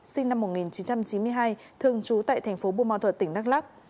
sinh năm một nghìn chín trăm chín mươi hai thường trú tại tp bùa mò thuật tỉnh đắk lắk